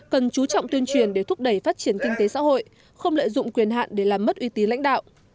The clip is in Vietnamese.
cần chú trọng tuyên truyền để thúc đẩy phát triển kinh tế xã hội không lợi dụng quyền hạn để làm mất uy tín lãnh đạo